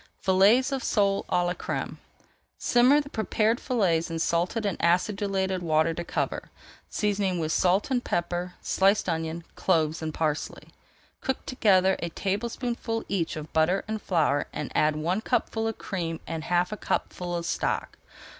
FILLETS OF SOLE À LA CRÈME Simmer the prepared fillets in salted and acidulated water to cover, seasoning with salt and pepper, sliced onion, cloves, and parsley. Cook together a tablespoonful each of butter and flour and add one cupful of cream and half a cupful of stock.